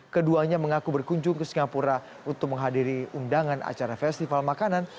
keduanya mengaku berkunjung ke singapura untuk menghadiri undangan acara festival makanan